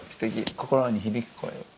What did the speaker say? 心に響く声。